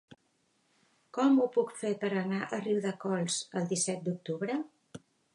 Com ho puc fer per anar a Riudecols el disset d'octubre?